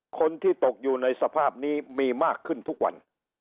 คนที่ตกอยู่ในสภาพนี้มีมากขึ้นทุกวัน